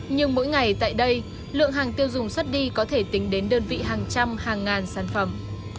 nhưng mỗi ngày tại đây lượng hàng tiêu dùng xuất đi có thể tính đến đơn vị hàng trăm hàng ngàn sản phẩm